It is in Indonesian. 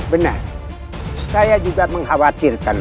benar saya juga mengkhawatirkan